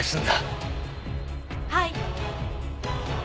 はい。